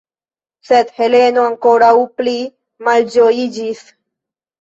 Sed Heleno ankoraŭ pli malĝojiĝis.